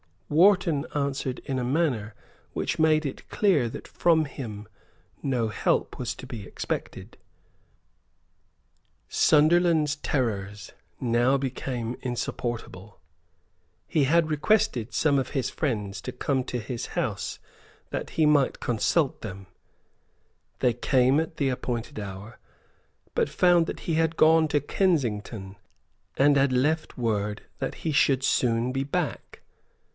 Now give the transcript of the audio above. Wharton answered in a manner which made it clear that from him no help was to be expected. Sunderland's terrors now became insupportable. He had requested some of his friends to come to his house that he might consult them; they came at the appointed hour, but found that he had gone to Kensington, and had left word that he should soon be back.